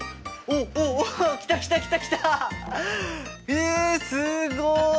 えすごい！